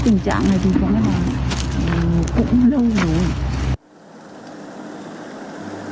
tình trạng này thì vẫn là cũng lâu rồi